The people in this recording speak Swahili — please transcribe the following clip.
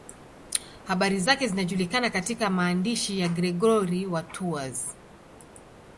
Habari zake zinajulikana katika maandishi ya Gregori wa Tours.